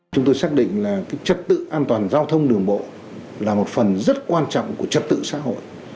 chúng tôi xác định là trật tự an toàn giao thông đường bộ là một phần rất quan trọng của trật tự xã hội